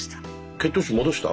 血糖値戻した？